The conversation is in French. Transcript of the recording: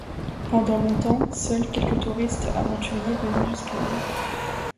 Pendant longtemps, seuls quelques touristes aventuriers venaient jusqu'à l'île.